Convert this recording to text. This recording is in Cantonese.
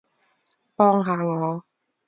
幫下我